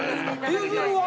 ゆずるは？